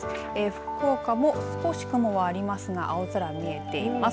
福岡も少し雲はありますが青空、見えています。